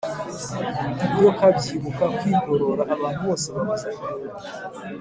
Ibiyoka byibuka kwigorora Abantu bose bavuza induru,